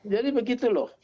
jadi begitu loh